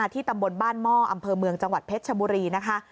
ที่บ้านหม้ออำเภอเมืองจังหวัดเพชรชบุรีนะคะ